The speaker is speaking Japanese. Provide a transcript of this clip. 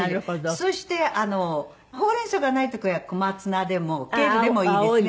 そしてほうれん草がない時は小松菜でもケールでもいいですね。